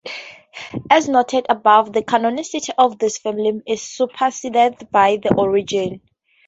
As noted above, the canonicity of this film is superseded by "The Origin".